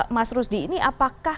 mas rusdi ini apakah